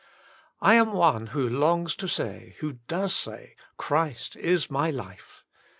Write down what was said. I am one whP longs to say, who does say, Christ is my life.